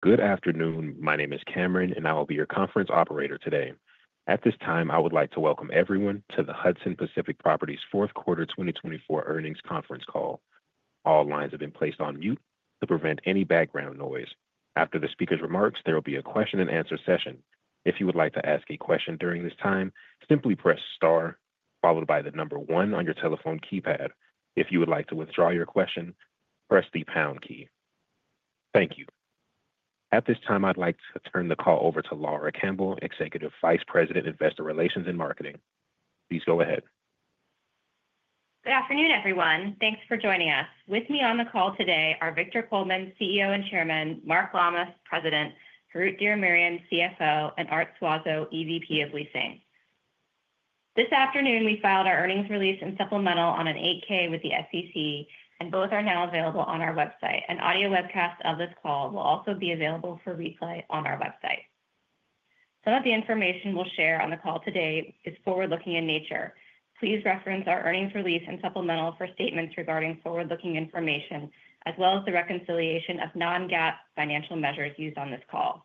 Good afternoon. My name is Cameron, and I will be your conference operator today. At this time, I would like to welcome everyone to the Hudson Pacific Properties fourth quarter 2024 earnings conference call. All lines have been placed on mute to prevent any background noise. After the speaker's remarks, there will be a question-and-answer session. If you would like to ask a question during this time, simply press star, followed by the number one on your telephone keypad. If you would like to withdraw your question, press the pound key. Thank you. At this time, I'd like to turn the call over to Laura Campbell, Executive Vice President, Investor Relations and Marketing. Please go ahead. Good afternoon, everyone. Thanks for joining us. With me on the call today are Victor Coleman, CEO and Chairman, Mark Lammas, President, Harout Diramerian, CFO, and Art Suazo, EVP of Leasing. This afternoon, we filed our earnings release and supplemental on an 8-K with the SEC, and both are now available on our website. An audio webcast of this call will also be available for replay on our website. Some of the information we'll share on the call today is forward-looking in nature. Please reference our earnings release and supplemental for statements regarding forward-looking information, as well as the reconciliation of non-GAAP financial measures used on this call.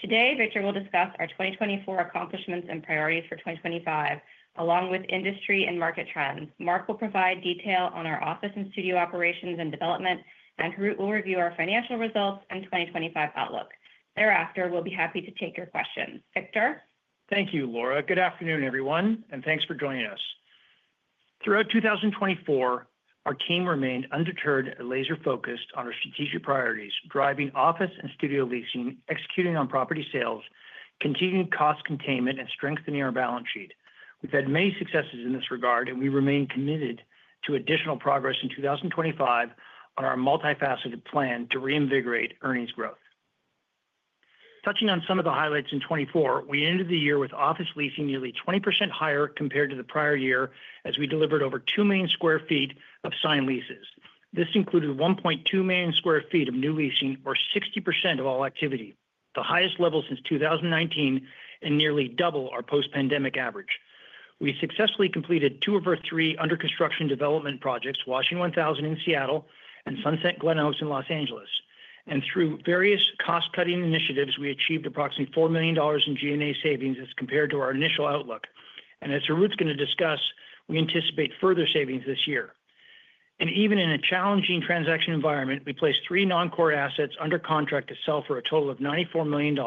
Today, Victor will discuss our 2024 accomplishments and priorities for 2025, along with industry and market trends. Mark will provide detail on our office and studio operations and development, and Harout will review our financial results and 2025 outlook. Thereafter, we'll be happy to take your questions. Victor. Thank you, Laura. Good afternoon, everyone, and thanks for joining us. Throughout 2024, our team remained undeterred and laser-focused on our strategic priorities, driving office and studio leasing, executing on property sales, continuing cost containment, and strengthening our balance sheet. We've had many successes in this regard, and we remain committed to additional progress in 2025 on our multifaceted plan to reinvigorate earnings growth. Touching on some of the highlights in 2024, we ended the year with office leasing nearly 20% higher compared to the prior year as we delivered over two million sq ft of signed leases. This included 1.2 million sq ft of new leasing, or 60% of all activity, the highest level since 2019 and nearly double our post-pandemic average. We successfully completed two of our three under-construction development projects, Washington 1000 in Seattle and Sunset Glenoaks in Los Angeles. Through various cost-cutting initiatives, we achieved approximately $4 million in G&A savings as compared to our initial outlook. As Harout's going to discuss, we anticipate further savings this year. Even in a challenging transaction environment, we placed three non-core assets under contract to sell for a total of $94 million,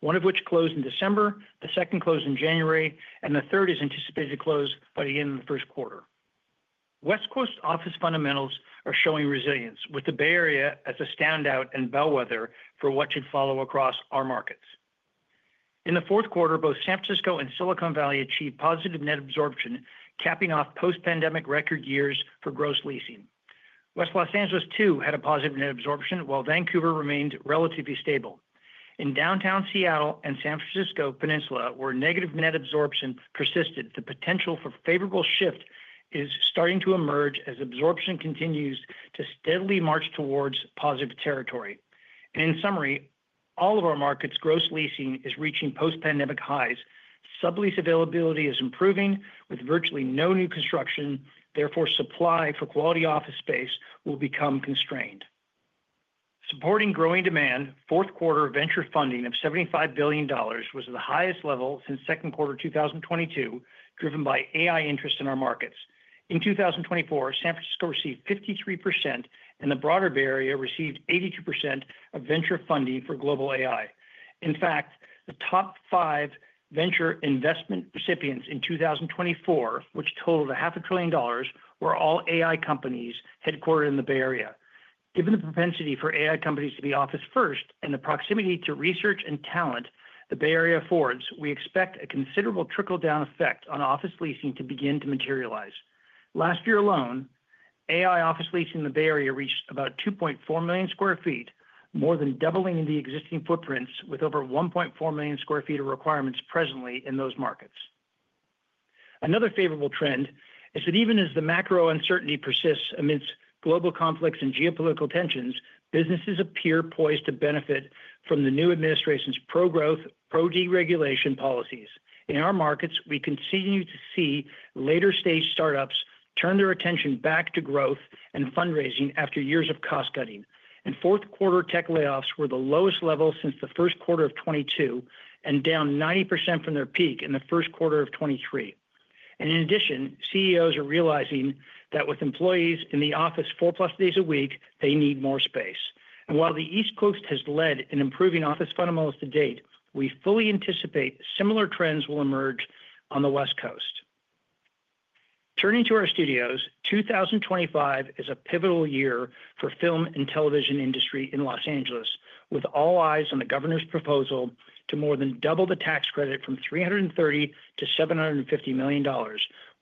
one of which closed in December, the second closed in January, and the third is anticipated to close by the end of the first quarter. West Coast office fundamentals are showing resilience, with the Bay Area as a standout and bellwether for what should follow across our markets. In the fourth quarter, both San Francisco and Silicon Valley achieved positive net absorption, capping off post-pandemic record years for gross leasing. West Los Angeles, too, had a positive net absorption, while Vancouver remained relatively stable. In Downtown Seattle and San Francisco Peninsula, where negative net absorption persisted, the potential for a favorable shift is starting to emerge as absorption continues to steadily march towards positive territory. In summary, all of our markets' gross leasing is reaching post-pandemic highs. Sublease availability is improving, with virtually no new construction. Therefore, supply for quality office space will become constrained. Supporting growing demand, fourth quarter venture funding of $75 billion was the highest level since second quarter 2022, driven by AI interest in our markets. In 2024, San Francisco received 53%, and the broader Bay Area received 82% of venture funding for global AI. In fact, the top five venture investment recipients in 2024, which totaled $500 billion, were all AI companies headquartered in the Bay Area. Given the propensity for AI companies to be office-first and the proximity to research and talent the Bay Area affords, we expect a considerable trickle-down effect on office leasing to begin to materialize. Last year alone, AI office leasing in the Bay Area reached about 2.4 million sq ft, more than doubling the existing footprints, with over 1.4 million sq ft of requirements presently in those markets. Another favorable trend is that even as the macro uncertainty persists amidst global conflicts and geopolitical tensions, businesses appear poised to benefit from the new administration's pro-growth, pro-deregulation policies. In our markets, we continue to see later-stage startups turn their attention back to growth and fundraising after years of cost-cutting. And fourth quarter tech layoffs were the lowest level since the first quarter of 2022 and down 90% from their peak in the first quarter of 2023. And in addition, CEOs are realizing that with employees in the office four-plus days a week, they need more space. And while the East Coast has led in improving office fundamentals to date, we fully anticipate similar trends will emerge on the West Coast. Turning to our studios, 2025 is a pivotal year for the film and television industry in Los Angeles, with all eyes on the governor's proposal to more than double the tax credit from $330 million to $750 million,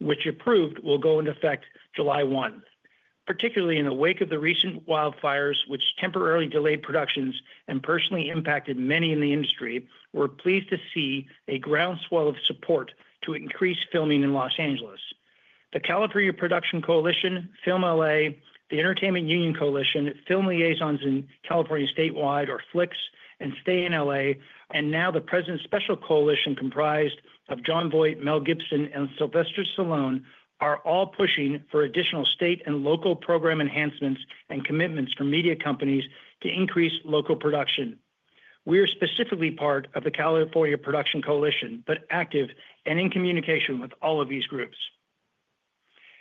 which, if approved, will go into effect July 1. Particularly in the wake of the recent wildfires, which temporarily delayed productions and personally impacted many in the industry, we're pleased to see a groundswell of support to increase filming in Los Angeles. The California Production Coalition, FilmLA, the Entertainment Union Coalition, Film Liaisons in California Statewide, or FLICS, and Stay in LA, and now the President's Special Coalition comprised of Jon Voight, Mel Gibson, and Sylvester Stallone are all pushing for additional state and local program enhancements and commitments from media companies to increase local production. We are specifically part of the California Production Coalition, but active and in communication with all of these groups.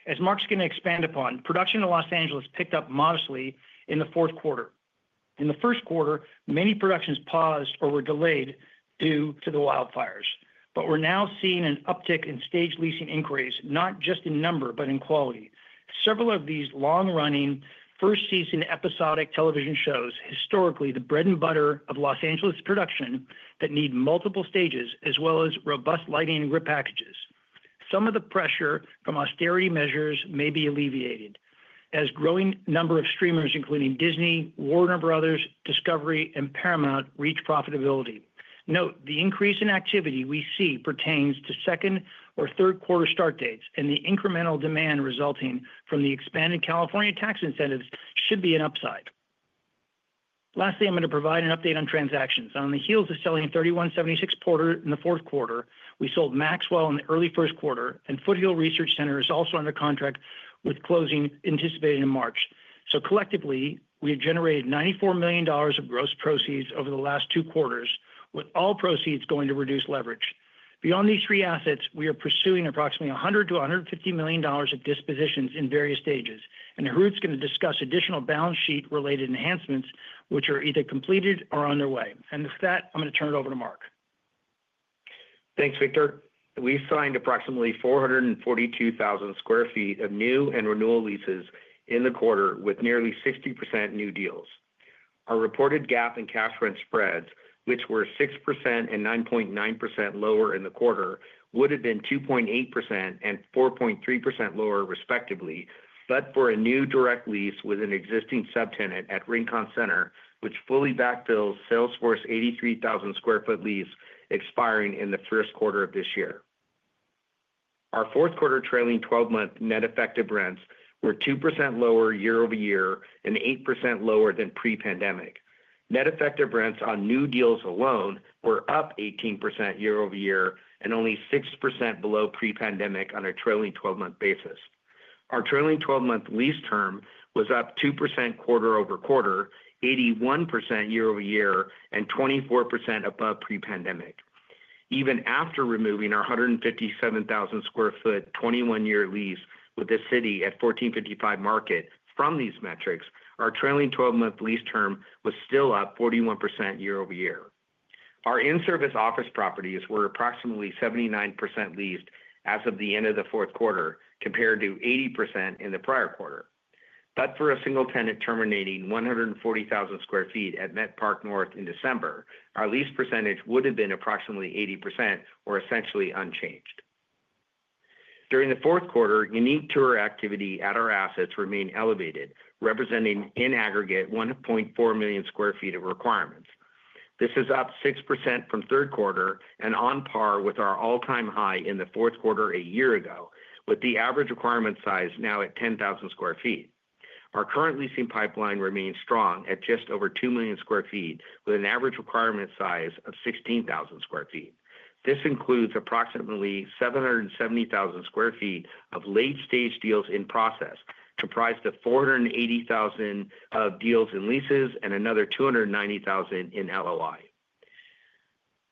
As Mark's going to expand upon, production in Los Angeles picked up modestly in the fourth quarter. In the first quarter, many productions paused or were delayed due to the wildfires. But we're now seeing an uptick in stage leasing inquiries, not just in number, but in quality. Several of these long-running first-season episodic television shows, historically the bread and butter of Los Angeles production, that need multiple stages, as well as robust lighting and grid packages. Some of the pressure from austerity measures may be alleviated, as a growing number of streamers, including Disney, Warner Bros. Discovery, and Paramount, reach profitability. Note, the increase in activity we see pertains to second- or third-quarter start dates, and the incremental demand resulting from the expanded California tax incentives should be an upside. Lastly, I'm going to provide an update on transactions. On the heels of selling $317.6 million in the fourth quarter, we sold Maxwell in the early first quarter, and Foothill Research Center is also under contract with closing anticipated in March. So collectively, we have generated $94 million of gross proceeds over the last two quarters, with all proceeds going to reduced leverage. Beyond these three assets, we are pursuing approximately $100-$150 million of dispositions in various stages. Harout's going to discuss additional balance sheet-related enhancements, which are either completed or underway. With that, I'm going to turn it over to Mark. Thanks, Victor. We signed approximately 442,000 sq ft of new and renewal leases in the quarter, with nearly 60% new deals. Our reported GAAP cash rent spreads, which were 6% and 9.9% lower in the quarter, would have been 2.8% and 4.3% lower, respectively, but for a new direct lease with an existing subtenant at Rincon Center, which fully backfills Salesforce's 83,000 sq ft lease expiring in the first quarter of this year. Our fourth quarter trailing 12-month net effective rents were 2% lower year-over-year and 8% lower than pre-pandemic. Net effective rents on new deals alone were up 18% year-over-year and only 6% below pre-pandemic on a trailing 12-month basis. Our trailing 12-month lease term was up 2% quarter-over-quarter, 81% year-over-year, and 24% above pre-pandemic. Even after removing our 157,000 sq ft 21-year lease with the city at 1455 Market from these metrics, our trailing 12-month lease term was still up 41% year-over-year. Our in-service office properties were approximately 79% leased as of the end of the fourth quarter, compared to 80% in the prior quarter. But for a single tenant terminating 140,000 sq ft at Met Park North in December, our lease percentage would have been approximately 80% or essentially unchanged. During the fourth quarter, unique tour activity at our assets remained elevated, representing in aggregate 1.4 million sq ft of requirements. This is up 6% from third quarter and on par with our all-time high in the fourth quarter a year ago, with the average requirement size now at 10,000 sq ft. Our current leasing pipeline remains strong at just over 2 million sq ft, with an average requirement size of 16,000 sq ft. This includes approximately 770,000 sq ft of late-stage deals in process, comprised of 480,000 deals and leases, and another 290,000 in LOI.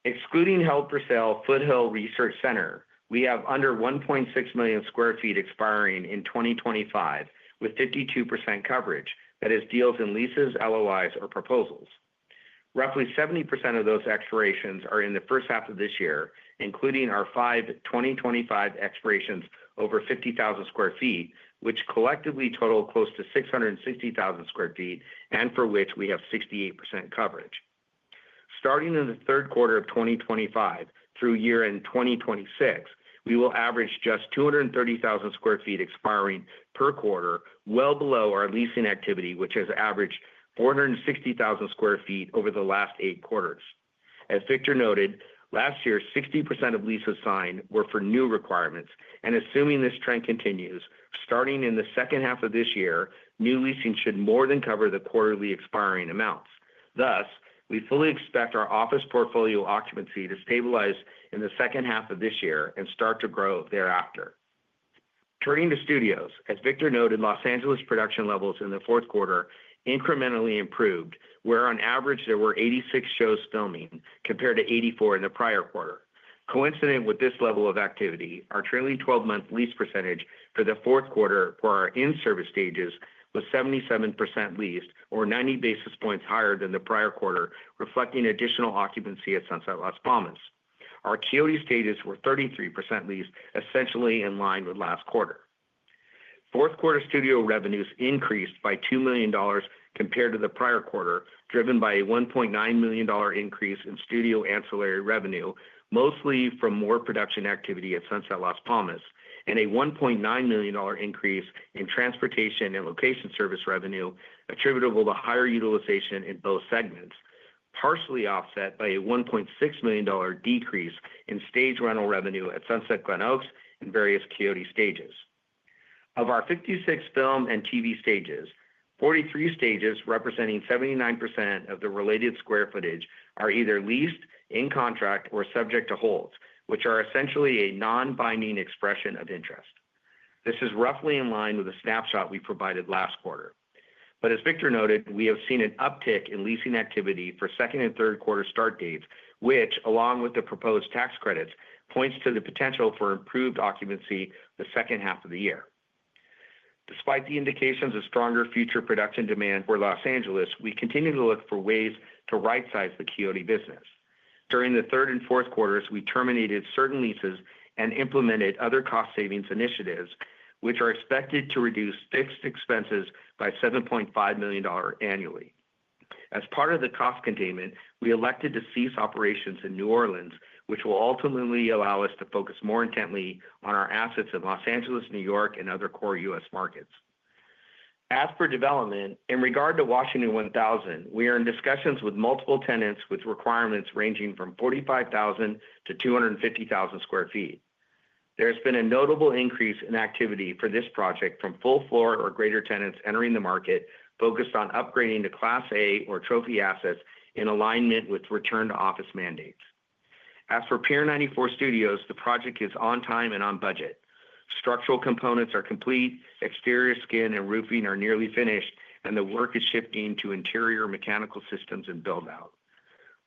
Excluding Held for Sale Foothill Research Center, we have under 1.6 million sq ft expiring in 2025, with 52% coverage. That is deals and leases, LOIs, or proposals. Roughly 70% of those expirations are in the first half of this year, including our five 2025 expirations over 50,000 sq ft, which collectively total close to 660,000 sq ft and for which we have 68% coverage. Starting in the third quarter of 2025 through year-end 2026, we will average just 230,000 sq ft expiring per quarter, well below our leasing activity, which has averaged 460,000 sq ft over the last eight quarters. As Victor noted, last year, 60% of leases signed were for new requirements. And assuming this trend continues, starting in the second half of this year, new leasing should more than cover the quarterly expiring amounts. Thus, we fully expect our office portfolio occupancy to stabilize in the second half of this year and start to grow thereafter. Turning to studios, as Victor noted, Los Angeles production levels in the fourth quarter incrementally improved, where on average there were 86 shows filming compared to 84 in the prior quarter. Coincident with this level of activity, our trailing 12-month lease percentage for the fourth quarter for our in-service stages was 77% leased, or 90 basis points higher than the prior quarter, reflecting additional occupancy at Sunset Las Palmas. Our Quixote stages were 33% leased, essentially in line with last quarter. Fourth quarter studio revenues increased by $2 million compared to the prior quarter, driven by a $1.9 million increase in studio ancillary revenue, mostly from more production activity at Sunset Las Palmas, and a $1.9 million increase in transportation and location service revenue attributable to higher utilization in both segments, partially offset by a $1.6 million decrease in stage rental revenue at Sunset Glenoaks and various Quixote stages. Of our 56 film and TV stages, 43 stages, representing 79% of the related square footage, are either leased, in contract, or subject to holds, which are essentially a non-binding expression of interest. This is roughly in line with the snapshot we provided last quarter. But as Victor noted, we have seen an uptick in leasing activity for second and third quarter start dates, which, along with the proposed tax credits, points to the potential for improved occupancy the second half of the year. Despite the indications of stronger future production demand for Los Angeles, we continue to look for ways to right-size the Quixote business. During the third and fourth quarters, we terminated certain leases and implemented other cost savings initiatives, which are expected to reduce fixed expenses by $7.5 million annually. As part of the cost containment, we elected to cease operations in New Orleans, which will ultimately allow us to focus more intently on our assets in Los Angeles, New York, and other core U.S. markets. As for development, in regard to Washington 1000, we are in discussions with multiple tenants with requirements ranging from 45,000 sq ft-250,000 sq ft. There has been a notable increase in activity for this project from full-floor or greater tenants entering the market, focused on upgrading to Class A or trophy assets in alignment with return-to-office mandates. As for Pier 94 Studios, the project is on time and on budget. Structural components are complete, exterior skin and roofing are nearly finished, and the work is shifting to interior mechanical systems and build-out.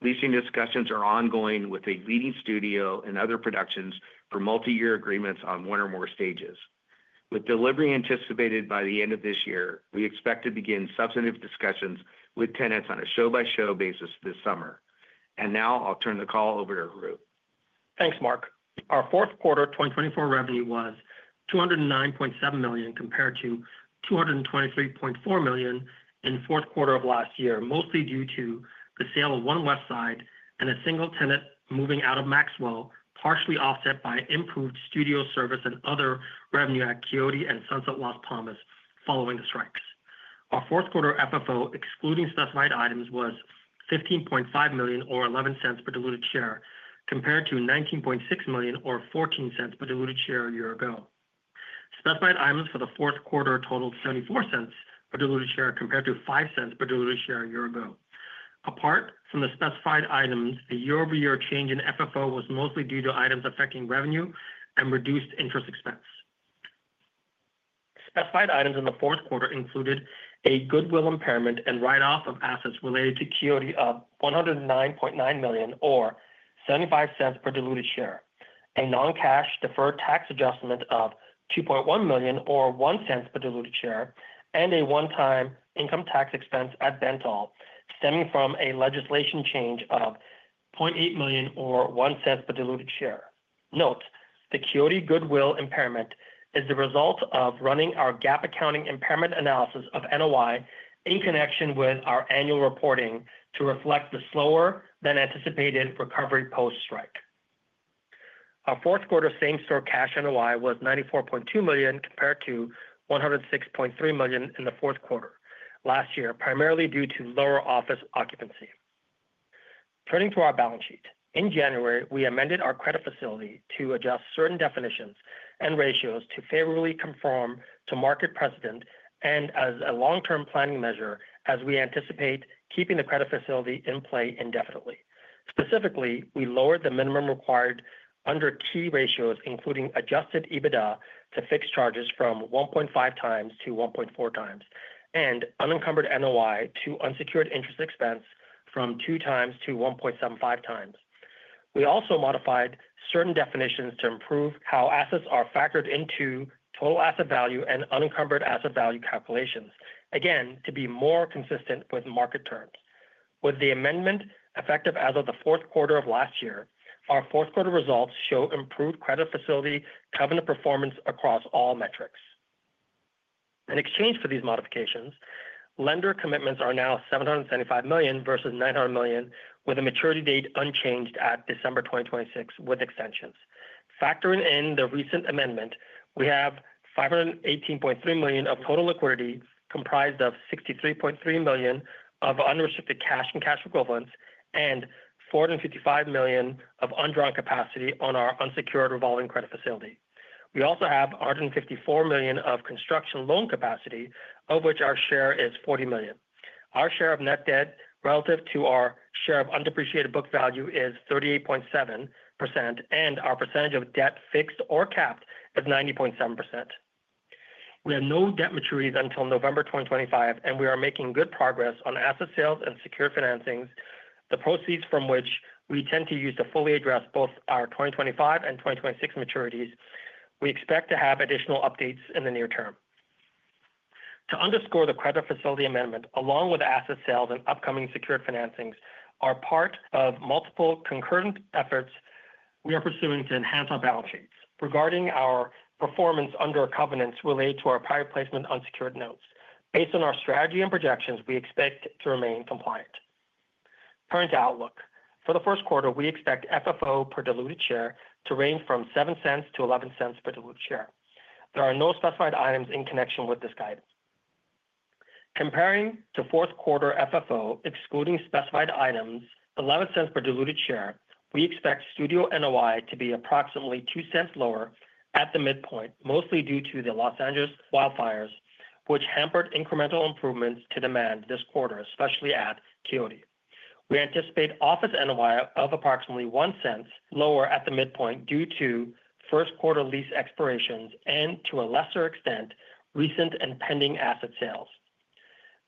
Leasing discussions are ongoing with a leading studio and other productions for multi-year agreements on one or more stages. With delivery anticipated by the end of this year, we expect to begin substantive discussions with tenants on a show-by-show basis this summer. And now I'll turn the call over to Harout. Thanks, Mark. Our fourth quarter 2024 revenue was $209.7 million compared to $223.4 million in the fourth quarter of last year, mostly due to the sale of One West Side and a single tenant moving out of Maxwell, partially offset by improved studio service and other revenue at Quixote and Sunset Las Palmas following the strikes. Our fourth quarter FFO, excluding specified items, was $15.5 million or $0.11 per diluted share, compared to $19.6 million or $0.14 per diluted share a year ago. Specified items for the fourth quarter totaled $0.74 per diluted share, compared to $0.05 per diluted share a year ago. Apart from the specified items, the year-over-year change in FFO was mostly due to items affecting revenue and reduced interest expense. Specified items in the fourth quarter included a goodwill impairment and write-off of assets related to Quixote of $109.9 million or $0.75 per diluted share, a non-cash deferred tax adjustment of $2.1 million or $0.01 per diluted share, and a one-time income tax expense at Bentall, stemming from a legislation change of $0.8 million or $0.01 per diluted share. Note, the Quixote goodwill impairment is the result of running our GAAP accounting impairment analysis of NOI in connection with our annual reporting to reflect the slower-than-anticipated recovery post-strike. Our fourth quarter same-store cash NOI was $94.2 million compared to $106.3 million in the fourth quarter last year, primarily due to lower office occupancy. Turning to our balance sheet, in January, we amended our credit facility to adjust certain definitions and ratios to favorably conform to market precedent and as a long-term planning measure, as we anticipate keeping the credit facility in play indefinitely. Specifically, we lowered the minimum required under key ratios, including Adjusted EBITDA to fixed charges from 1.5x to 1.4x, and Unencumbered NOI to unsecured interest expense from 2x to 1.75x. We also modified certain definitions to improve how assets are factored into total asset value and unencumbered asset value calculations, again, to be more consistent with market terms. With the amendment effective as of the fourth quarter of last year, our fourth quarter results show improved credit facility covenant performance across all metrics. In exchange for these modifications, lender commitments are now $775 million versus $900 million, with a maturity date unchanged at December 2026, with extensions. Factoring in the recent amendment, we have $518.3 million of total liquidity, comprised of $63.3 million of unrestricted cash and cash equivalents, and $455 million of undrawn capacity on our unsecured revolving credit facility. We also have $154 million of construction loan capacity, of which our share is $40 million. Our share of net debt relative to our share of undepreciated book value is 38.7%, and our percentage of debt fixed or capped is 90.7%. We have no debt maturities until November 2025, and we are making good progress on asset sales and secured financings, the proceeds from which we intend to use to fully address both our 2025 and 2026 maturities. We expect to have additional updates in the near term. To underscore the credit facility amendment, along with asset sales and upcoming secured financings, are part of multiple concurrent efforts we are pursuing to enhance our balance sheets. Regarding our performance under covenants related to our prior placement on secured notes, based on our strategy and projections, we expect to remain compliant. Current outlook: for the first quarter, we expect FFO per diluted share to range from $0.07-$0.11 per diluted share. There are no specified items in connection with this guidance. Comparing to fourth quarter FFO, excluding specified items, $0.11 per diluted share, we expect studio NOI to be approximately $0.02 lower at the midpoint, mostly due to the Los Angeles wildfires, which hampered incremental improvements to demand this quarter, especially at Quixote. We anticipate office NOI of approximately $0.01 lower at the midpoint due to first quarter lease expirations and, to a lesser extent, recent and pending asset sales.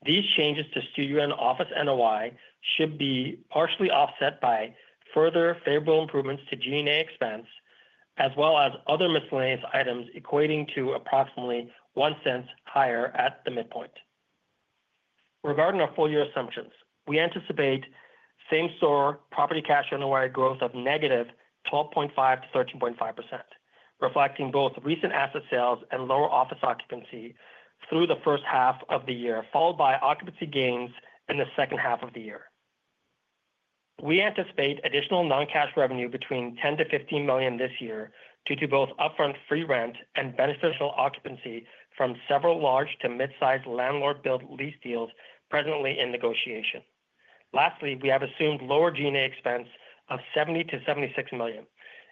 These changes to studio and office NOI should be partially offset by further favorable improvements to G&A expense, as well as other miscellaneous items equating to approximately $0.01 higher at the midpoint. Regarding our full-year assumptions, we anticipate same-store property cash NOI growth of negative 12.5% to 13.5%, reflecting both recent asset sales and lower office occupancy through the first half of the year, followed by occupancy gains in the second half of the year. We anticipate additional non-cash revenue between $10 million-$15 million this year due to both upfront free rent and beneficial occupancy from several large to mid-sized landlord-built lease deals presently in negotiation. Lastly, we have assumed lower G&A expense of $70 million-$76 million.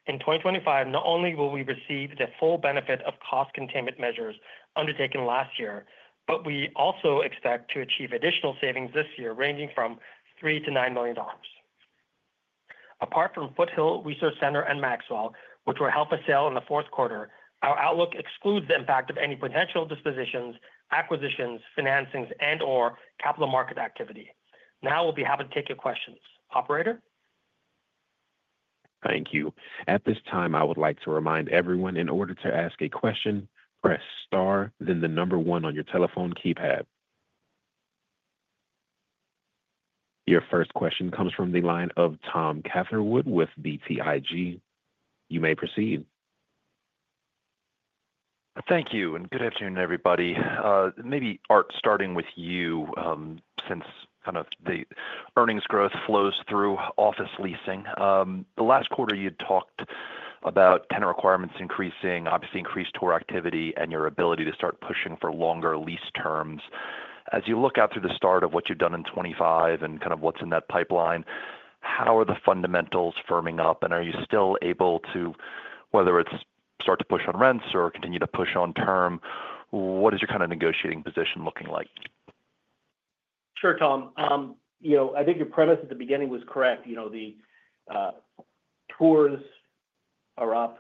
In 2025, not only will we receive the full benefit of cost containment measures undertaken last year, but we also expect to achieve additional savings this year ranging from $3 million-$9 million. Apart from Foothill Research Center and Maxwell, which were held for sale in the fourth quarter, our outlook excludes the impact of any potential dispositions, acquisitions, financings, and/or capital market activity. Now we'll be happy to take your questions. Operator? Thank you. At this time, I would like to remind everyone, in order to ask a question, press star, then the number one on your telephone keypad. Your first question comes from the line of Tom Catherwood with BTIG. You may proceed. Thank you, and good afternoon, everybody. Maybe Art, starting with you, since kind of the earnings growth flows through office leasing. The last quarter, you'd talked about tenant requirements increasing, obviously increased tour activity, and your ability to start pushing for longer lease terms. As you look out through the start of what you've done in 2025 and kind of what's in that pipeline, how are the fundamentals firming up? And are you still able to, whether it's start to push on rents or continue to push on term? What is your kind of negotiating position looking like? Sure, Tom. I think your premise at the beginning was correct. The tours are up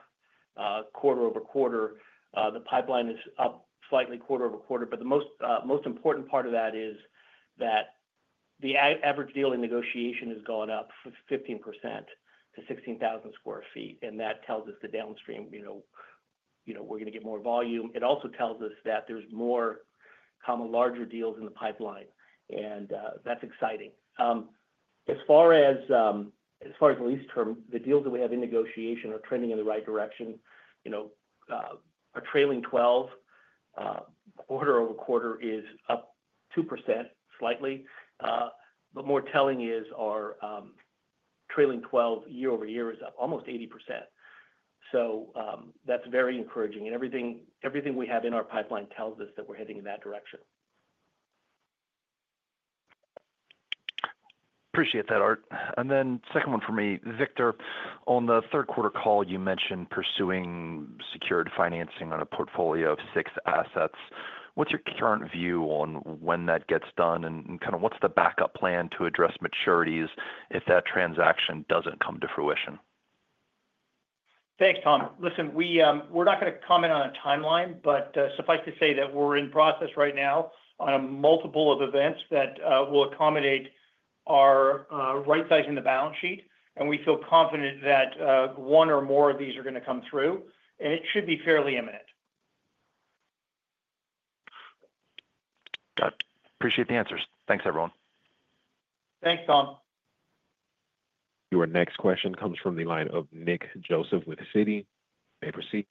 quarter-over-quarter. The pipeline is up slightly quarter over quarter. But the most important part of that is that the average deal in negotiation has gone up 15% to 16,000 sq ft. And that tells us the downstream we're going to get more volume. It also tells us that there's more larger deals in the pipeline. And that's exciting. As far as the lease term, the deals that we have in negotiation are trending in the right direction. Our trailing 12 quarter-over-quarter is up 2% slightly. But more telling is our trailing 12 year-over-year is up almost 80%. So that's very encouraging. And everything we have in our pipeline tells us that we're heading in that direction. Appreciate that, Art. And then second one for me, Victor, on the third quarter call, you mentioned pursuing secured financing on a portfolio of six assets. What's your current view on when that gets done? And kind of what's the backup plan to address maturities if that transaction doesn't come to fruition? Thanks, Tom. Listen, we're not going to comment on a timeline, but suffice to say that we're in process right now on a multiple of events that will accommodate our right-sizing of the balance sheet. And we feel confident that one or more of these are going to come through. And it should be fairly imminent. Got it. Appreciate the answers. Thanks, everyone. Thanks, Tom. Your next question comes from the line of Nick Joseph with Citi. You may proceed.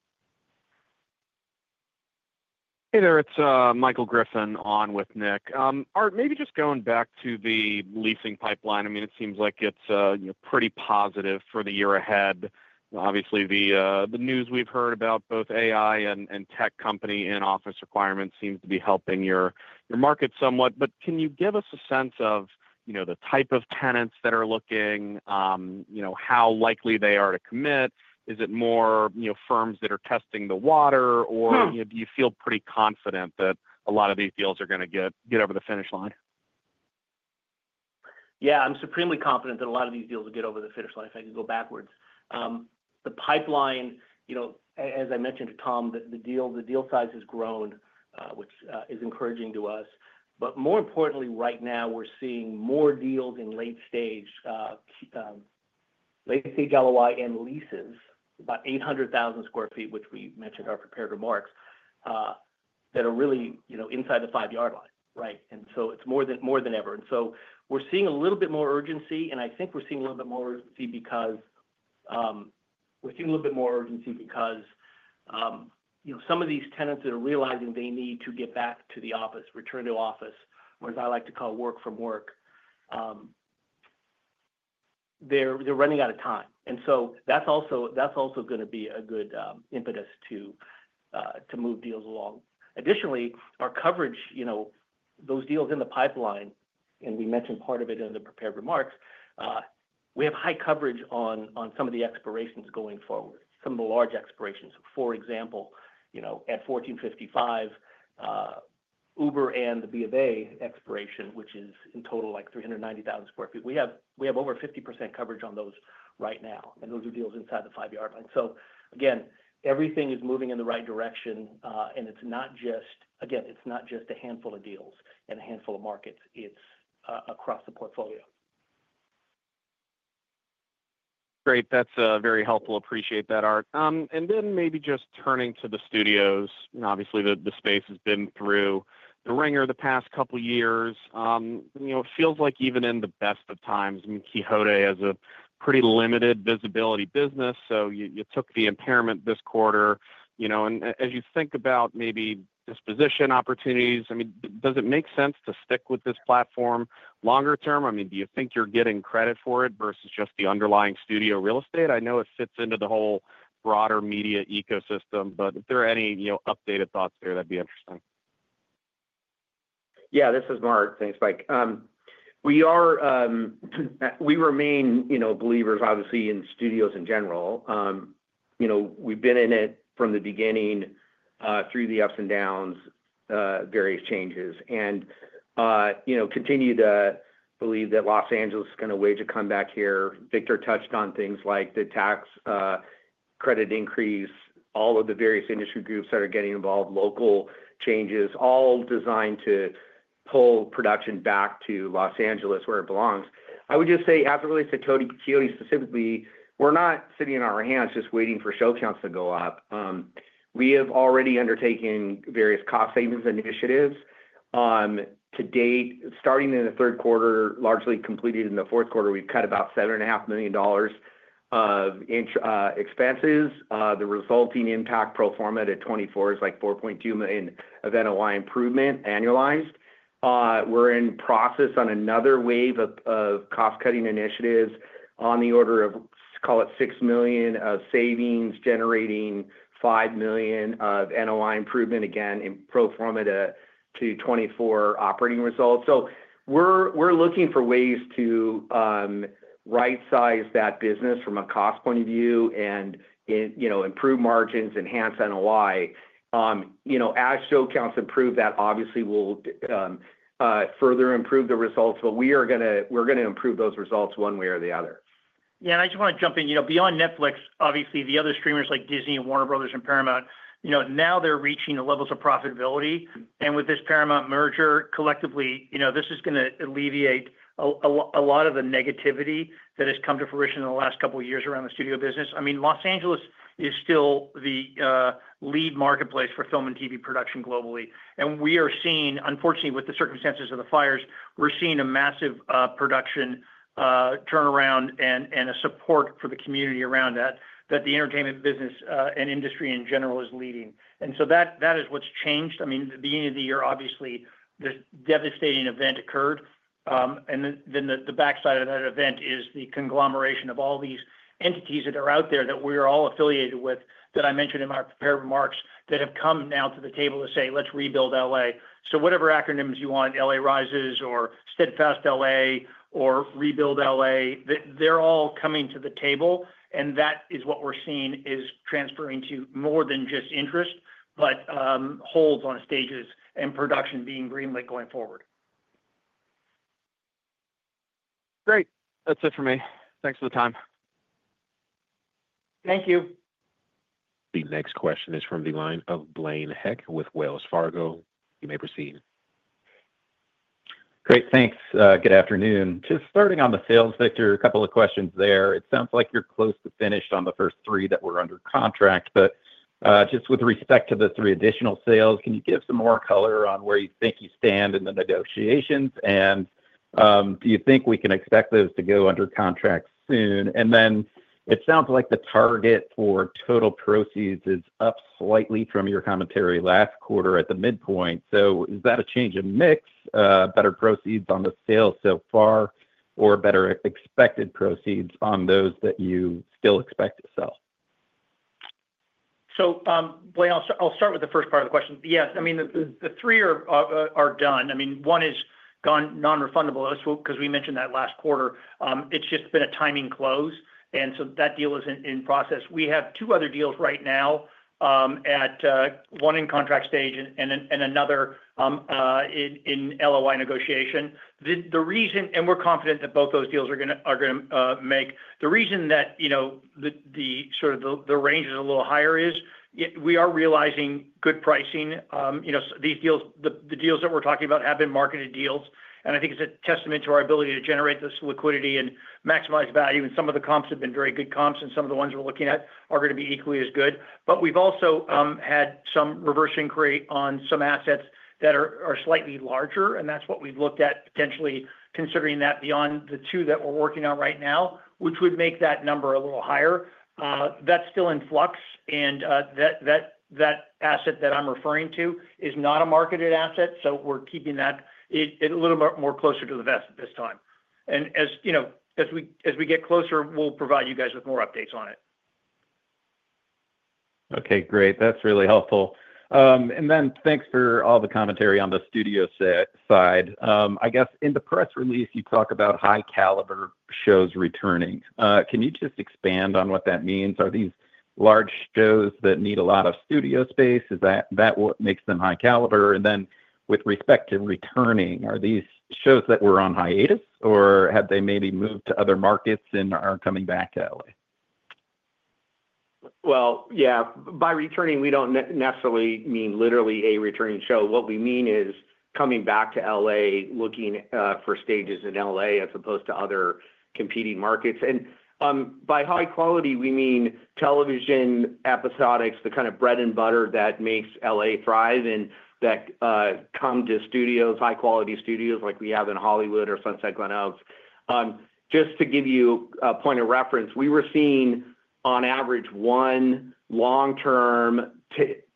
Hey there. It's Michael Griffin on with Nick. Art, maybe just going back to the leasing pipeline. I mean, it seems like it's pretty positive for the year ahead. Obviously, the news we've heard about both AI and tech company in-office requirements seems to be helping your market somewhat. But can you give us a sense of the type of tenants that are looking, how likely they are to commit? Is it more firms that are testing the water? Or do you feel pretty confident that a lot of these deals are going to get over the finish line? Yeah, I'm supremely confident that a lot of these deals will get over the finish line if I can go backwards. The pipeline, as I mentioned to Tom, the deal size has grown, which is encouraging to us. But more importantly, right now, we're seeing more deals in late-stage LOI and leases, about 800,000 sq ft, which we mentioned in our prepared remarks, that are really inside the five-yard line. Right? And so it's more than ever. And so we're seeing a little bit more urgency. And I think we're seeing a little bit more urgency because some of these tenants that are realizing they need to get back to the office, return to office, what I like to call work from work, they're running out of time. And so that's also going to be a good impetus to move deals along. Additionally, our coverage, those deals in the pipeline, and we mentioned part of it in the prepared remarks. We have high coverage on some of the expirations going forward, some of the large expirations. For example, at 1455, Uber and the B of A expiration, which is in total like 390,000 sq ft. We have over 50% coverage on those right now. And those are deals inside the five-yard line. So again, everything is moving in the right direction. And again, it's not just a handful of deals and a handful of markets. It's across the portfolio. Great. That's very helpful. Appreciate that, Art. And then maybe just turning to the studios. Obviously, the space has been through the wringer the past couple of years. It feels like even in the best of times, Quixote has a pretty limited visibility business. So you took the impairment this quarter. And as you think about maybe disposition opportunities, I mean, does it make sense to stick with this platform longer term? I mean, do you think you're getting credit for it versus just the underlying studio real estate? I know it fits into the whole broader media ecosystem. But if there are any updated thoughts there, that'd be interesting. Yeah, this is Mark. Thanks, Mike. We remain believers, obviously, in studios in general. We've been in it from the beginning through the ups and downs, various changes, and continue to believe that Los Angeles is going to make a comeback here. Victor touched on things like the tax credit increase, all of the various industry groups that are getting involved, local changes, all designed to pull production back to Los Angeles where it belongs. I would just say, as it relates to Quixote specifically, we're not sitting on our hands just waiting for show counts to go up. We have already undertaken various cost savings initiatives. To date, starting in the third quarter, largely completed in the fourth quarter, we've cut about $7.5 million of expenses. The resulting impact pro forma to 2024 is like 4.2 million of NOI improvement annualized. We're in process on another wave of cost-cutting initiatives on the order of, call it, $6 million of savings, generating $5 million of NOI improvement, again, in pro forma to 2024 operating results. So we're looking for ways to right-size that business from a cost point of view and improve margins, enhance NOI. As show counts improve, that obviously will further improve the results. But we're going to improve those results one way or the other. Yeah. And I just want to jump in. Beyond Netflix, obviously, the other streamers like Disney and Warner Bros. and Paramount, now they're reaching the levels of profitability. And with this Paramount merger collectively, this is going to alleviate a lot of the negativity that has come to fruition in the last couple of years around the studio business. I mean, Los Angeles is still the lead marketplace for film and TV production globally. And we are seeing, unfortunately, with the circumstances of the fires, we're seeing a massive production turnaround and a support for the community around that that the entertainment business and industry in general is leading. And so that is what's changed. I mean, at the beginning of the year, obviously, this devastating event occurred. And then the backside of that event is the conglomeration of all these entities that are out there that we are all affiliated with that I mentioned in my prepared remarks that have come now to the table to say, "Let's rebuild LA." So whatever acronyms you want, LA Risers or Steadfast LA or Rebuild LA, they're all coming to the table. And that is what we're seeing is transferring to more than just interest, but holds on stages and production being greenlit going forward. Great. That's it for me. Thanks for the time. Thank you. The next question is from the line of Blaine Heck with Wells Fargo. You may proceed. Great. Thanks. Good afternoon. Just starting on the sales, Victor, a couple of questions there. It sounds like you're close to finished on the first three that were under contract. But just with respect to the three additional sales, can you give some more color on where you think you stand in the negotiations? And do you think we can expect those to go under contract soon? And then it sounds like the target for total proceeds is up slightly from your commentary last quarter at the midpoint. So is that a change of mix? Better proceeds on the sales so far or better expected proceeds on those that you still expect to sell? So Blaine, I'll start with the first part of the question. Yes. I mean, the three are done. I mean, one is gone non-refundable because we mentioned that last quarter. It's just been a timing close. And so that deal is in process. We have two other deals right now, one in contract stage and another in LOI negotiation. And we're confident that both those deals are going to make. The reason that sort of the range is a little higher is we are realizing good pricing. The deals that we're talking about have been marketed deals. And I think it's a testament to our ability to generate this liquidity and maximize value. And some of the comps have been very good comps. And some of the ones we're looking at are going to be equally as good. But we've also had some reverse inquiry on some assets that are slightly larger. And that's what we've looked at potentially considering that beyond the two that we're working on right now, which would make that number a little higher. That's still in flux. And that asset that I'm referring to is not a marketed asset. So we're keeping that a little more closer to the vest at this time. And as we get closer, we'll provide you guys with more updates on it. Okay. Great. That's really helpful. And then thanks for all the commentary on the studio side. I guess in the press release, you talk about high-caliber shows returning. Can you just expand on what that means? Are these large shows that need a lot of studio space? Is that what makes them high-caliber? And then with respect to returning, are these shows that were on hiatus or have they maybe moved to other markets and are coming back to LA? Yeah. By returning, we don't necessarily mean literally a returning show. What we mean is coming back to LA, looking for stages in LA as opposed to other competing markets. And by high quality, we mean television episodics, the kind of bread and butter that makes LA thrive and that come to studios, high-quality studios like we have in Hollywood or Sunset Glenoaks. Just to give you a point of reference, we were seeing on average one long-term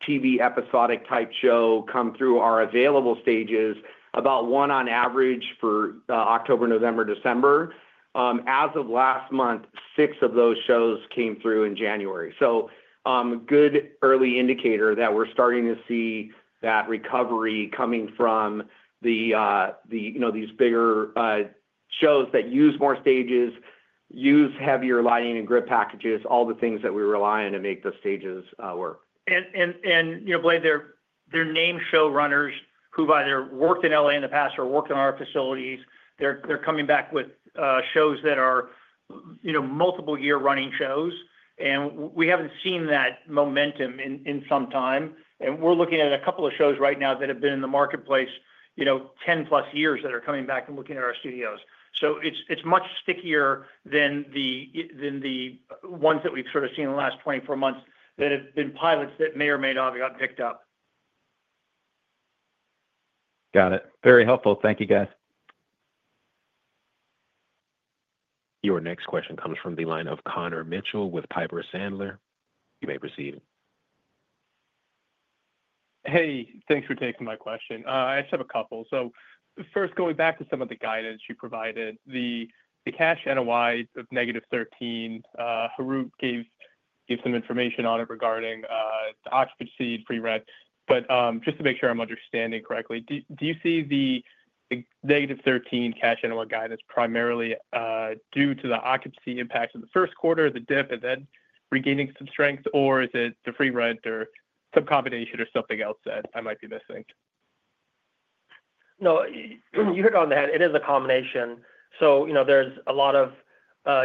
TV episodic-type show come through our available stages, about one on average for October, November, December. As of last month, six of those shows came through in January. So a good early indicator that we're starting to see that recovery coming from these bigger shows that use more stages, use heavier lighting and grid packages, all the things that we rely on to make the stages work. Blaine, they're named showrunners who've either worked in LA in the past or worked in our facilities. They're coming back with shows that are multiple-year running shows. We haven't seen that momentum in some time. We're looking at a couple of shows right now that have been in the marketplace 10-plus years that are coming back and looking at our studios. It's much stickier than the ones that we've sort of seen in the last 24 months that have been pilots that may or may not have gotten picked up. Got it. Very helpful. Thank you, guys. Your next question comes from the line of Connor Mitchell with Piper Sandler. You may proceed. Hey. Thanks for taking my question. I just have a couple. So first, going back to some of the guidance you provided, the cash NOI of -13, Harout gave some information on it regarding the occupancy and pre-rent. But just to make sure I'm understanding correctly, do you see the -13 cash NOI guidance primarily due to the occupancy impact of the first quarter, the dip, and then regaining some strength? Or is it the pre-rent or some combination or something else that I might be missing? No. You hit on that. It is a combination. So there's a lot of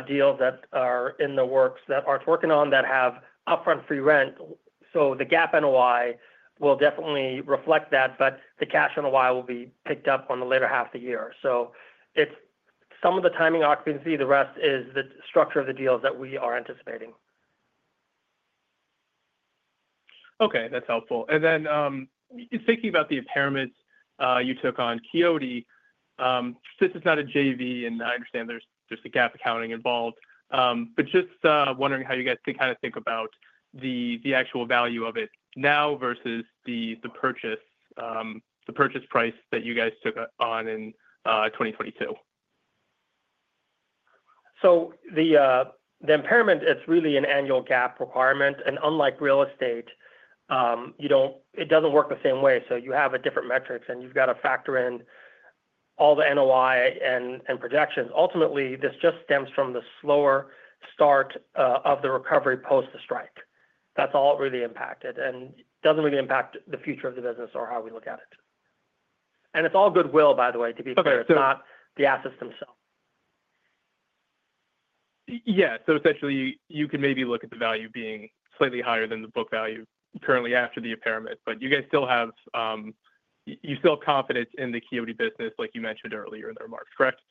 deals that are in the works that Art's working on that have upfront pre-rent. So the GAAP NOI will definitely reflect that. But the cash NOI will be picked up on the later half of the year. So it's some of the timing occupancy. The rest is the structure of the deals that we are anticipating. Okay. That's helpful. And then thinking about the impairments you took on Quixote, since it's not a JV, and I understand there's a GAAP accounting involved, but just wondering how you guys can kind of think about the actual value of it now versus the purchase price that you guys took on in 2022? The impairment is really an annual GAAP requirement. Unlike real estate, it doesn't work the same way. You have different metrics. You've got to factor in all the NOI and projections. Ultimately, this just stems from the slower start of the recovery post the strike. That's all really impacted. It doesn't really impact the future of the business or how we look at it. It's all goodwill, by the way, to be clear. It's not the assets themselves. Yeah. So essentially, you can maybe look at the value being slightly higher than the book value currently after the impairment. But you guys still have confidence in the Quixote business, like you mentioned earlier in the remarks, correct?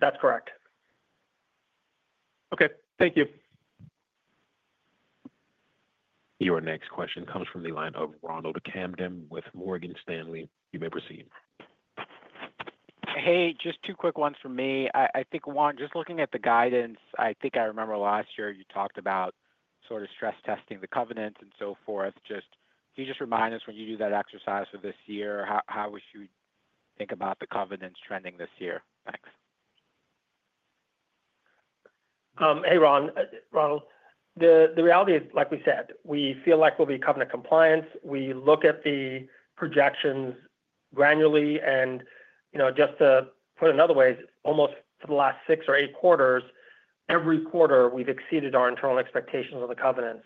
That's correct. Okay. Thank you. Your next question comes from the line of Ronald Kamdem with Morgan Stanley. You may proceed. Hey, just two quick ones for me. I think one, just looking at the guidance, I think I remember last year you talked about sort of stress testing the covenants and so forth. Can you just remind us when you do that exercise for this year? How would you think about the covenants trending this year? Thanks. Hey, Ronald. The reality is, like we said, we feel like we'll be covering compliance. We look at the projections granularly, and just to put it another way, almost for the last six or eight quarters, every quarter, we've exceeded our internal expectations of the covenants,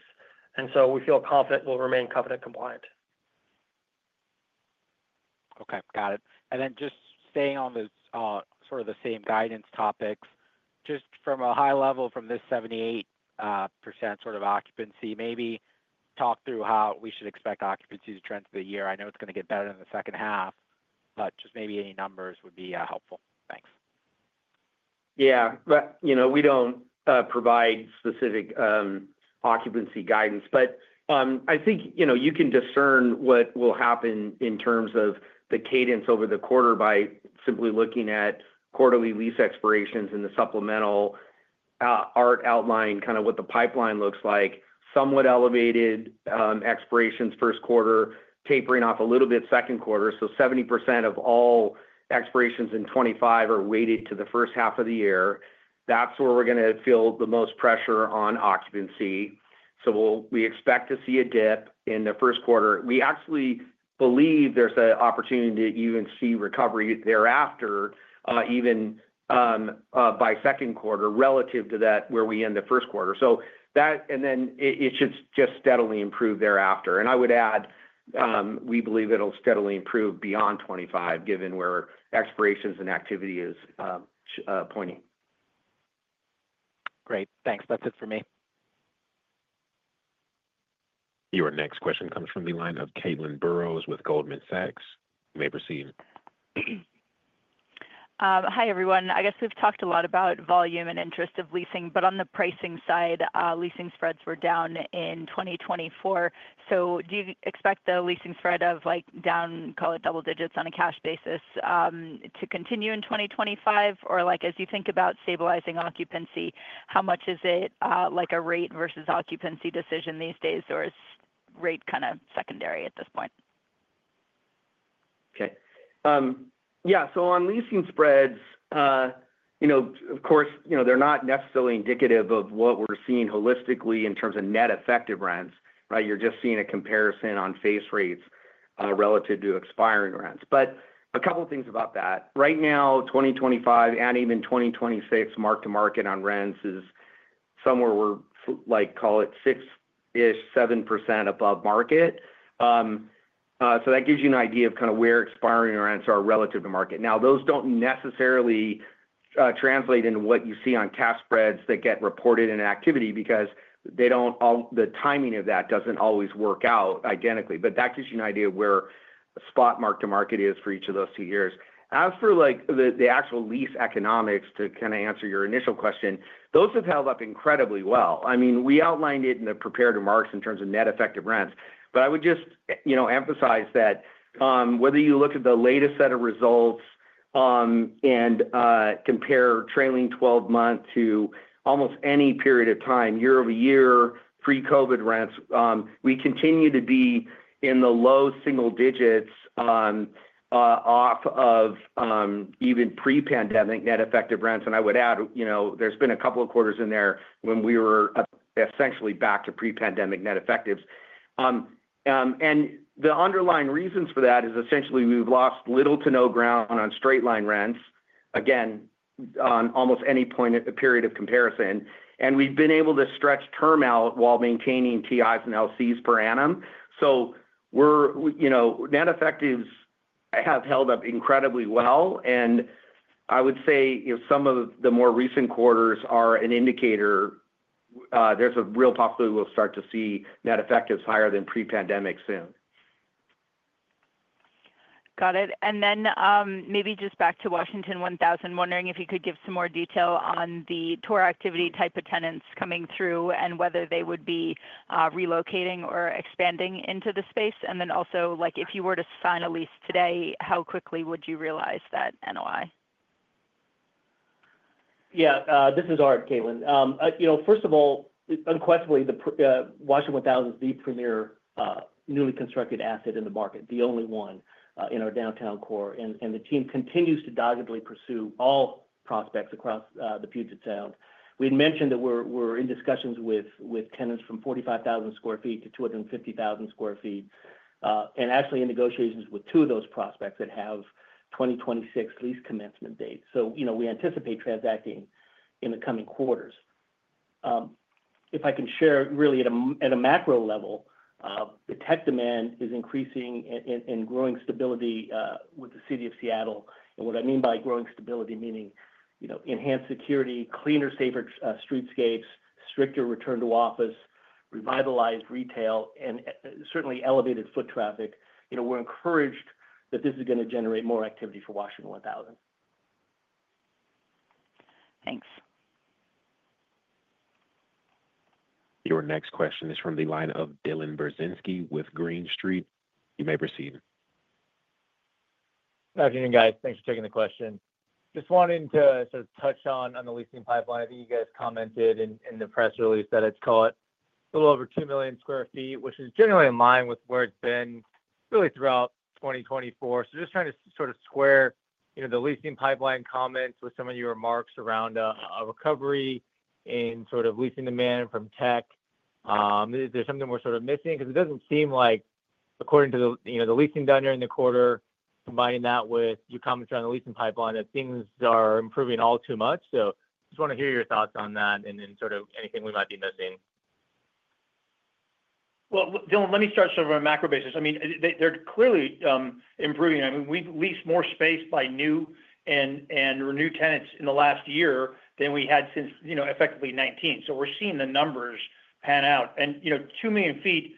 and so we feel confident we'll remain covenant compliant. Okay. Got it. And then just staying on sort of the same guidance topics, just from a high level from this 78% sort of occupancy, maybe talk through how we should expect occupancy to trend for the year. I know it's going to get better in the second half, but just maybe any numbers would be helpful. Thanks. Yeah. We don't provide specific occupancy guidance, but I think you can discern what will happen in terms of the cadence over the quarter by simply looking at quarterly lease expirations and the supplemental, our outline, kind of what the pipeline looks like. Somewhat elevated expirations first quarter, tapering off a little bit second quarter. So 70% of all expirations in 2025 are weighted to the first half of the year. That's where we're going to feel the most pressure on occupancy, so we expect to see a dip in the first quarter. We actually believe there's an opportunity to even see recovery thereafter, even by second quarter relative to where we end the first quarter, and then it should just steadily improve thereafter, and I would add we believe it'll steadily improve beyond 2025, given where expirations and activity is pointing. Great. Thanks. That's it for me. Your next question comes from the line of Caitlin Burrows with Goldman Sachs. You may proceed. Hi everyone. I guess we've talked a lot about volume and interest of leasing. But on the pricing side, leasing spreads were down in 2024. So do you expect the leasing spread of down, call it double digits on a cash basis, to continue in 2025? Or as you think about stabilizing occupancy, how much is it like a rate versus occupancy decision these days? Or is rate kind of secondary at this point? Okay. Yeah. So on leasing spreads, of course, they're not necessarily indicative of what we're seeing holistically in terms of net effective rents, right? You're just seeing a comparison on face rates relative to expiring rents. But a couple of things about that. Right now, 2025 and even 2026, mark-to-market on rents is somewhere we're, call it 6-ish, 7% above market. So that gives you an idea of kind of where expiring rents are relative to market. Now, those don't necessarily translate into what you see on cash spreads that get reported in activity because the timing of that doesn't always work out identically. But that gives you an idea of where a spot mark-to-market is for each of those two years. As for the actual lease economics, to kind of answer your initial question, those have held up incredibly well. I mean, we outlined it in the prepared remarks in terms of net effective rents. But I would just emphasize that whether you look at the latest set of results and compare trailing 12 months to almost any period of time, year-over-year, pre-COVID rents, we continue to be in the low single digits off of even pre-pandemic net effective rents. And I would add there's been a couple of quarters in there when we were essentially back to pre-pandemic net effectives. And the underlying reasons for that is essentially we've lost little to no ground on straight-line rents, again, on almost any point period of comparison. And we've been able to stretch term out while maintaining TIs and LCs per annum. So net effectives have held up incredibly well. I would say some of the more recent quarters are an indicator there's a real possibility we'll start to see net effectives higher than pre-pandemic soon. Got it. And then maybe just back to Washington 1000, wondering if you could give some more detail on the tour activity, the type of tenants coming through and whether they would be relocating or expanding into the space. And then also, if you were to sign a lease today, how quickly would you realize that NOI? Yeah. This is Art, Caitlin. First of all, unquestionably, the Washington 1000 is the premier newly constructed asset in the market, the only one in our downtown core. And the team continues to doggedly pursue all prospects across the Puget Sound. We had mentioned that we're in discussions with tenants from 45,000 sq ft to 250,000 sq ft and actually in negotiations with two of those prospects that have 2026 lease commencement date. So we anticipate transacting in the coming quarters. If I can share really at a macro level, the tech demand is increasing and growing stability with the city of Seattle. And what I mean by growing stability meaning enhanced security, cleaner, safer streetscapes, stricter return to office, revitalized retail, and certainly elevated foot traffic. We're encouraged that this is going to generate more activity for Washington 1000. Thanks. Your next question is from the line of Dylan Burzinski with Green Street. You may proceed. Good afternoon, guys. Thanks for taking the question. Just wanted to sort of touch on the leasing pipeline. I think you guys commented in the press release that it's caught a little over two million sq ft, which is generally in line with where it's been really throughout 2024. So just trying to sort of square the leasing pipeline comments with some of your remarks around a recovery in sort of leasing demand from tech. Is there something we're sort of missing? Because it doesn't seem like, according to the leasing done during the quarter, combining that with your comments around the leasing pipeline, that things are improving all too much. So just want to hear your thoughts on that and sort of anything we might be missing. Dylan, let me start sort of on a macro basis. I mean, they're clearly improving. I mean, we've leased more space by new and renewed tenants in the last year than we had since effectively 2019. So we're seeing the numbers pan out. And 2 million sq ft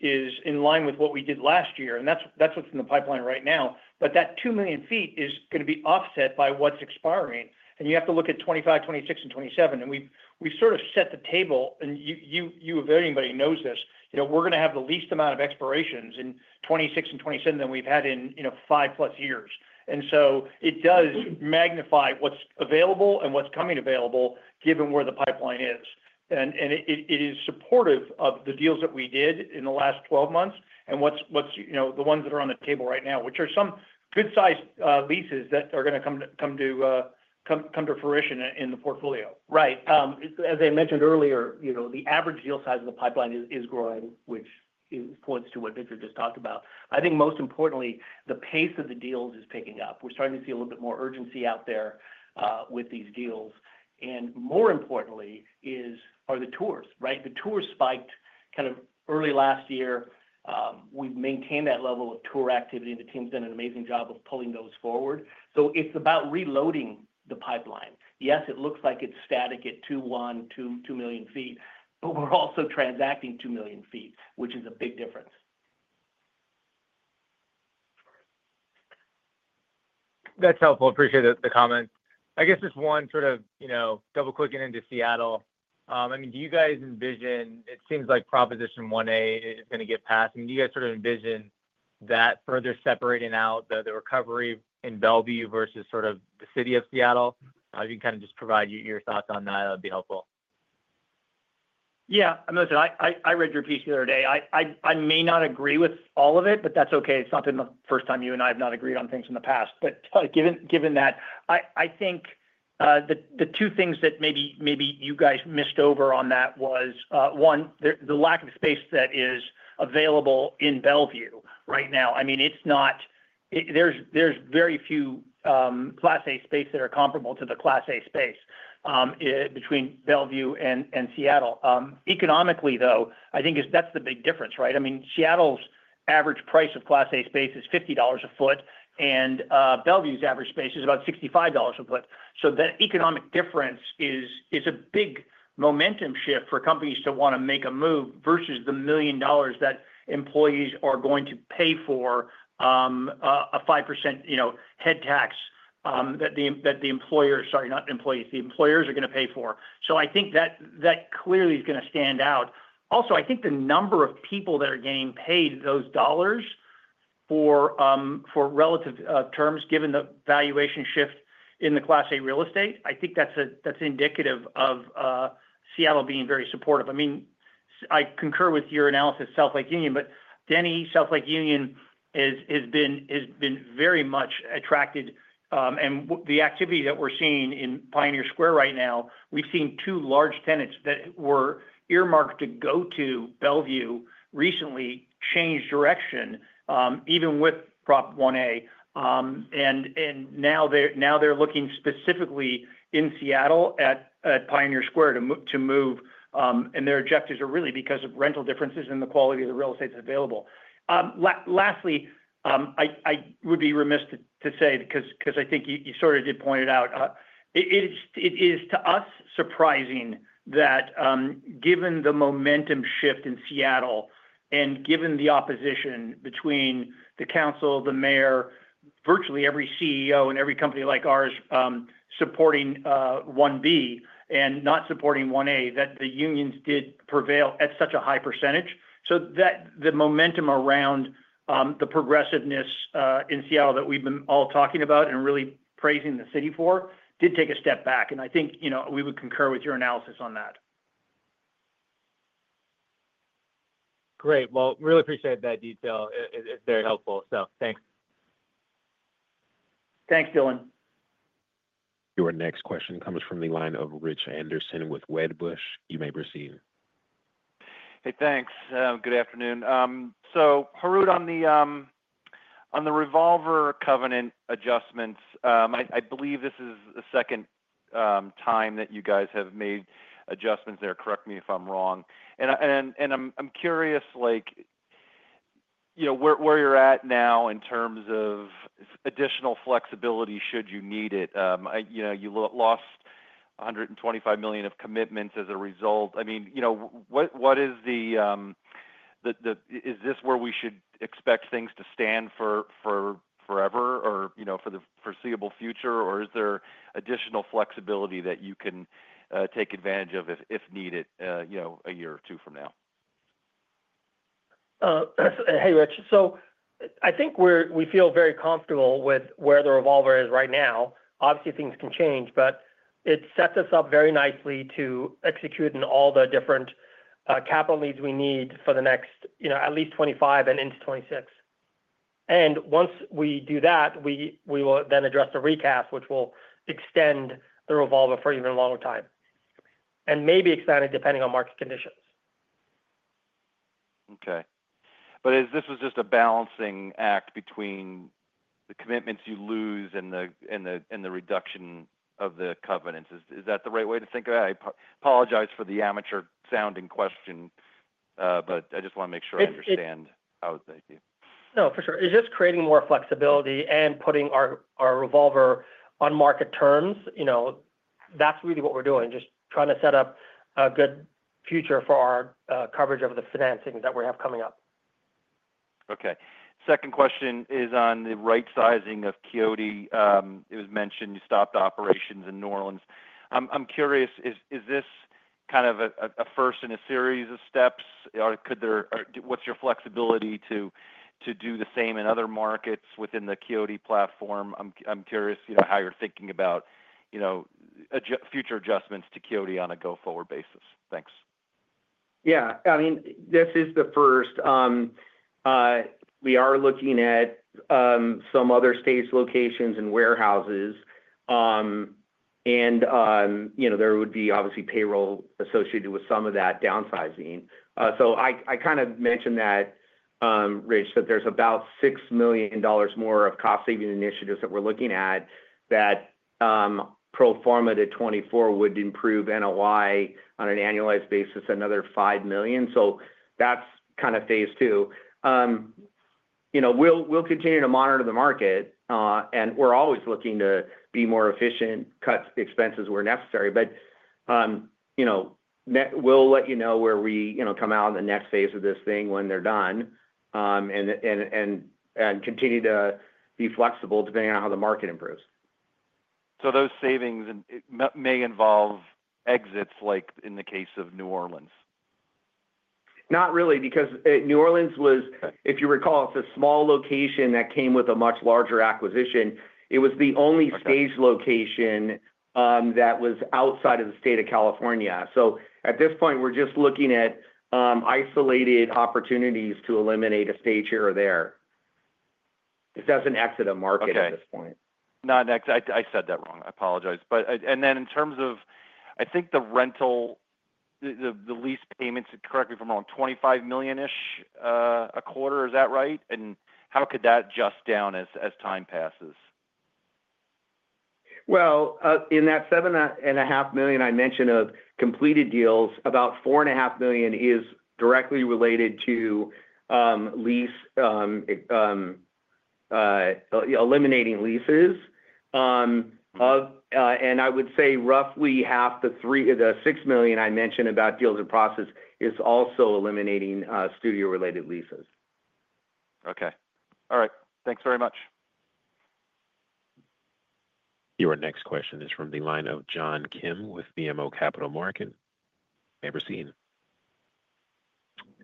is in line with what we did last year. And that's what's in the pipeline right now. But that 2 million sq ft is going to be offset by what's expiring. And you have to look at 2025, 2026, and 2027. And we've sort of set the table. And you of anybody knows this, we're going to have the least amount of expirations in 2026 and 2027 than we've had in five-plus years. And so it does magnify what's available and what's coming available given where the pipeline is. It is supportive of the deals that we did in the last 12 months and the ones that are on the table right now, which are some good-sized leases that are going to come to fruition in the portfolio. Right. As I mentioned earlier, the average deal size of the pipeline is growing, which points to what Victor just talked about. I think most importantly, the pace of the deals is picking up. We're starting to see a little bit more urgency out there with these deals. And more importantly are the tours, right? The tours spiked kind of early last year. We've maintained that level of tour activity. And the team's done an amazing job of pulling those forward. So it's about reloading the pipeline. Yes, it looks like it's static at 2 million feet, but we're also transacting 2 million feet, which is a big difference. That's helpful. Appreciate the comment. I guess just one sort of double-clicking into Seattle. I mean, do you guys envision it seems like Proposition 1 is going to get passed. I mean, do you guys sort of envision that further separating out the recovery in Bellevue versus sort of the city of Seattle? You can kind of just provide your thoughts on that. That would be helpful. Yeah. I read your piece the other day. I may not agree with all of it, but that's okay. It's not the first time you and I have not agreed on things in the past. But given that, I think the two things that maybe you guys missed over on that was, one, the lack of space that is available in Bellevue right now. I mean, there's very few Class A spaces that are comparable to the Class A space between Bellevue and Seattle. Economically, though, I think that's the big difference, right? I mean, Seattle's average price of Class A space is $50 a foot. And Bellevue's average space is about $65 a foot. So that economic difference is a big momentum shift for companies to want to make a move versus the million dollars that employees are going to pay for a 5% head tax that the employers, sorry, not employees, the employers are going to pay for. So I think that clearly is going to stand out. Also, I think the number of people that are getting paid those dollars for relative terms, given the valuation shift in the Class A real estate, I think that's indicative of Seattle being very supportive. I mean, I concur with your analysis of South Lake Union, but Denny Triangle, South Lake Union has been very much attracted. And the activity that we're seeing in Pioneer Square right now, we've seen two large tenants that were earmarked to go to Bellevue recently change direction even with Prop 1A. And now they're looking specifically in Seattle at Pioneer Square to move. And their objectives are really because of rental differences and the quality of the real estate that's available. Lastly, I would be remiss to say, because I think you sort of did point it out, it is to us surprising that given the momentum shift in Seattle and given the opposition between the council, the mayor, virtually every CEO in every company like ours supporting 1B and not supporting 1A, that the unions did prevail at such a high percentage. So the momentum around the progressiveness in Seattle that we've been all talking about and really praising the city for did take a step back. And I think we would concur with your analysis on that. Great. Well, really appreciate that detail. It's very helpful. So thanks. Thanks, Dylan. Your next question comes from the line of Rich Anderson with Wedbush. You may proceed. Hey, thanks. Good afternoon. So Harout on the revolver covenant adjustments. I believe this is the second time that you guys have made adjustments there. Correct me if I'm wrong. And I'm curious where you're at now in terms of additional flexibility should you need it. You lost $125 million of commitments as a result. I mean, what is the - is this where we should expect things to stand forever or for the foreseeable future? Or is there additional flexibility that you can take advantage of if needed a year or two from now? Hey, Rich. So I think we feel very comfortable with where the revolver is right now. Obviously, things can change, but it sets us up very nicely to execute in all the different capital needs we need for the next at least 2025 and into 2026. And once we do that, we will then address the recap, which will extend the revolver for an even longer time and maybe expand it depending on market conditions. Okay. But this was just a balancing act between the commitments you lose and the reduction of the covenants. Is that the right way to think of it? I apologize for the amateur-sounding question, but I just want to make sure I understand how they do. No, for sure. It's just creating more flexibility and putting our revolver on market terms. That's really what we're doing, just trying to set up a good future for our coverage of the financing that we have coming up. Okay. Second question is on the right-sizing of Quixote. It was mentioned you stopped operations in New Orleans. I'm curious, is this kind of a first in a series of steps? What's your flexibility to do the same in other markets within the Quixote platform? I'm curious how you're thinking about future adjustments to Quixote on a go-forward basis. Thanks. Yeah. I mean, this is the first. We are looking at some other state locations and warehouses. And there would be obviously payroll associated with some of that downsizing. So I kind of mentioned that, Rich, that there's about $6 million more of cost-saving initiatives that we're looking at that pro forma to 2024 would improve NOI on an annualized basis another $5 million. So that's kind of phase II. We'll continue to monitor the market. And we're always looking to be more efficient, cut expenses where necessary. But we'll let you know where we come out in the next phase of this thing when they're done and continue to be flexible depending on how the market improves. So those savings may involve exits like in the case of New Orleans? Not really. Because New Orleans was, if you recall, it's a small location that came with a much larger acquisition. It was the only stage location that was outside of the state of California. So at this point, we're just looking at isolated opportunities to eliminate a stage here or there. It doesn't exit a market at this point. Okay. I said that wrong. I apologize. And then in terms of, I think the rental, the lease payments, correct me if I'm wrong, $25 million-ish a quarter. Is that right? And how could that just go down as time passes? In that 7.5 million I mentioned of completed deals, about 4.5 million is directly related to eliminating leases. I would say roughly half the 6 million I mentioned about deals and processes is also eliminating studio-related leases. Okay. All right. Thanks very much. Your next question is from the line of John Kim with BMO Capital Markets. Please go ahead.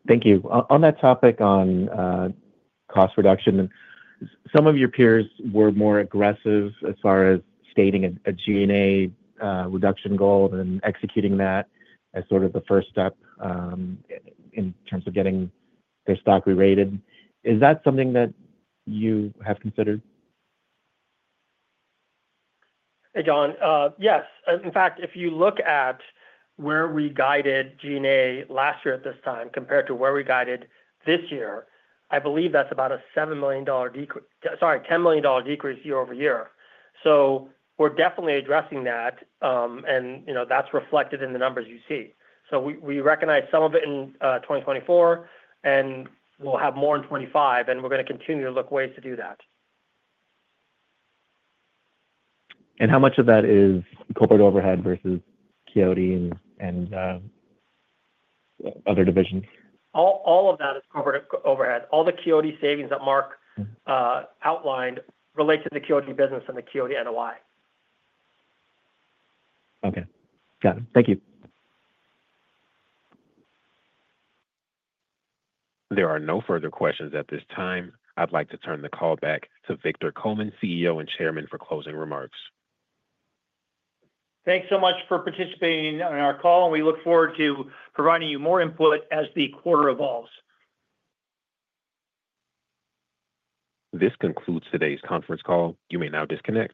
Thank you. On that topic on cost reduction, some of your peers were more aggressive as far as stating a G&A reduction goal and executing that as sort of the first step in terms of getting their stock re-rated. Is that something that you have considered? Hey, John. Yes. In fact, if you look at where we guided G&A last year at this time compared to where we guided this year, I believe that's about a $7 million, sorry, $10 million decrease year over year. So we're definitely addressing that. And that's reflected in the numbers you see. So we recognize some of it in 2024, and we'll have more in 2025. And we're going to continue to look ways to do that. How much of that is corporate overhead versus Quixote and other divisions? All of that is corporate overhead. All the Quixote savings that Mark outlined relate to the Quixote business and the Quixote NOI. Okay. Got it. Thank you. There are no further questions at this time. I'd like to turn the call back to Victor Coleman, CEO and Chairman, for closing remarks. Thanks so much for participating in our call. And we look forward to providing you more input as the quarter evolves. This concludes today's conference call. You may now disconnect.